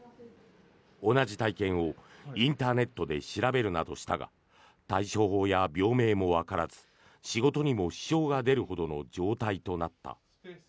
同じ体験をインターネットで調べるなどしたが対処法や病名もわからず仕事にも支障が出るほどの状態となった。